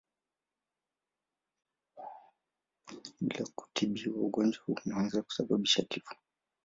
Bila kutibiwa ugonjwa huu unaweza kusababisha kifo.